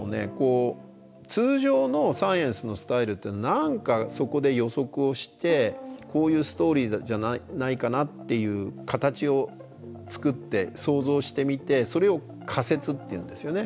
通常のサイエンスのスタイルっていうのは何かそこで予測をしてこういうストーリーじゃないかなっていう形を作って想像してみてそれを仮説って言うんですよね。